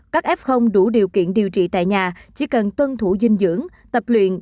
các f đủ điều kiện điều trị tại nhà chỉ cần tuân thủ dinh dưỡng tập luyện